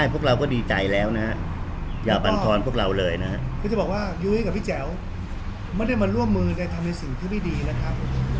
พี่แจ๋วไม่ได้มาร่วมมือในสิ่งที่ไม่ดีนะครับ